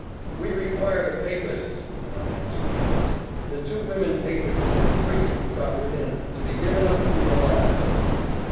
"We require the papists," one answered for the rest, "the two women papists and the priest you've got within, to be given up, for your lives!"